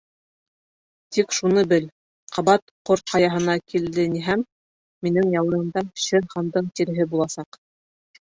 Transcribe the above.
Тик шуны бел: ҡабат Ҡор Ҡаяһына килдениһәм, минең яурынымда Шер Хандың тиреһе буласаҡ.